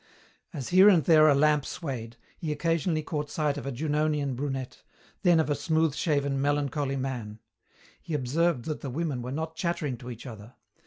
As here and there a lamp swayed, he occasionally caught sight of a Junonian brunette, then of a smooth shaven, melancholy man. He observed that the women were not chattering to each other.